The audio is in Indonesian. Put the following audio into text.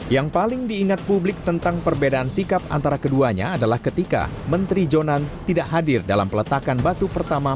yang paling diingat publik tentang perbedaan sikap antara keduanya adalah ketika menteri jonan tidak hadir dalam peletakan batu pertama